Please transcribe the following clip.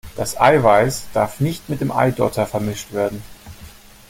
Das Eiweiß darf nicht mit dem Eidotter vermischt werden!